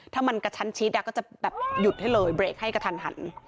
ถ้ามันกระชั่นชิดจะหยุดให้เลยเบรกให้กระทัน